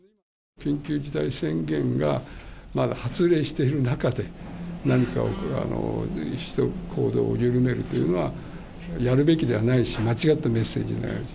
緊急事態宣言がまだ発令している中で、何か、行動を緩めるというのはやるべきではないし、間違ったメッセージになります。